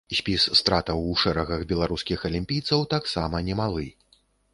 Спіс стратаў у шэрагах беларускіх алімпійцаў таксама немалы.